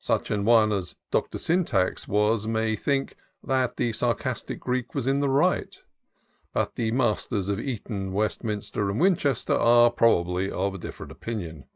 Such an one Dr. Syntax was, may think, that the sarcastic Greek is in the right ; t the Masters of Eton, Westminster, and Winchester are, probably, a different opinion.